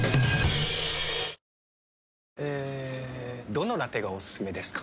どのラテがおすすめですか？